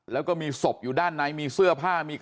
แล้วก็ยัดลงถังสีฟ้าขนาด๒๐๐ลิตร